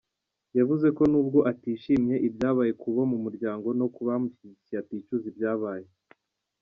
Yavuze ko nubwo "atishimiye" ibyabaye ku bo mu muryango no ku bamushyigikiye, "aticuza" ibyabaye.